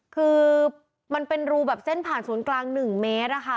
คือมันเป็นรูแบบเส้นผ่านศูนย์กลาง๑เมตรอะค่ะ